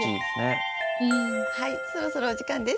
はいそろそろお時間です。